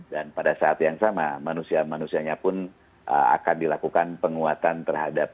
dan pada saat yang sama manusia manusianya pun akan dilakukan penguatan terhadap